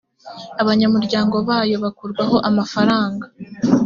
abanyamuryango bayo bakurwaho amafaranga